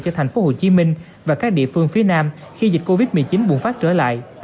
cho tp hcm và các địa phương phía nam khi dịch covid một mươi chín buồn phát trở lại